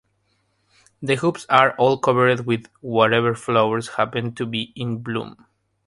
The hoops are all covered with whatever flowers happen to be in bloom.